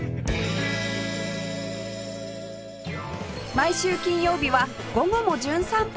毎週金曜日は『午後もじゅん散歩』